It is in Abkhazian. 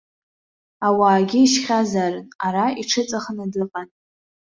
Ауаагьы ишьхьазаарын, ара иҽыҵәахны дыҟан.